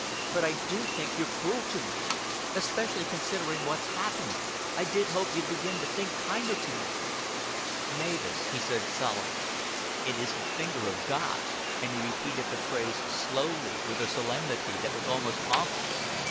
But but I do think you're cruel to me. Especially considering what's happened, I did hope you'd begin to think kinder to me." "Mavis," he said solemnly, "it is the finger of God." And he repeated the phrase slowly, with a solemnity that was almost pompous.